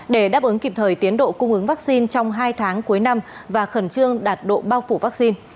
để đáp ứng kịp thời tiến độ cung ứng vaccine trong hai tháng cuối năm và khẩn trương đạt độ bao phủ vaccine